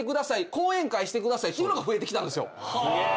「講演会してください」っていうのが増えてきたんです。